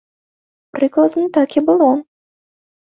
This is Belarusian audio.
Прыкладна так і было.